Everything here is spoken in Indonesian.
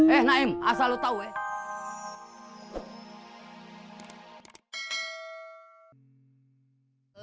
eh naim asal lo tau ya